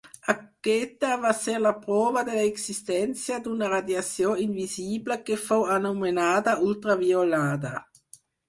Aquesta va ser la prova de l'existència d'una radiació invisible que fou anomenada ultraviolada.